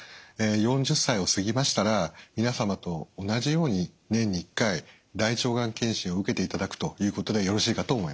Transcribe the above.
４０歳を過ぎましたら皆様と同じように年に１回大腸がん検診を受けていただくということでよろしいかと思います。